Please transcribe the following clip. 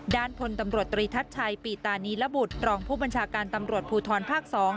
ด้านพลตำรวจตรีทัชชัยปีตานีระบุตรรองผู้บัญชาการตำรวจภูทรภาค๒